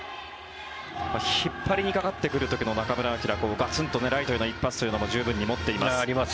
引っ張りにかかってくるという時の中村はガツンとライトへの一発も十分に持っています。